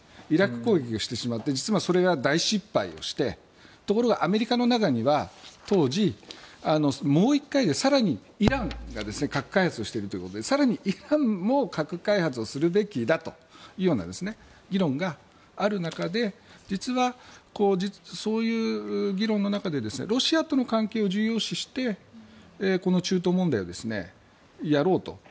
イラク攻撃をしてしまって大失敗をしてところがアメリカ国内には当時、もう１回、更にイランが核開発をしているということで更にイランも核開発をするべきだというような議論がある中で実はそういう議論の中でロシアとの関係を重要視してこの中東問題をやろうと。